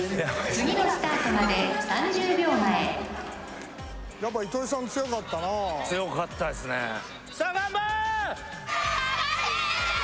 次のスタートまで３０秒前やっぱ糸井さん強かったな強かったですねさあガンバ！